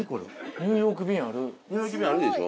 ニューヨーク便あるでしょ。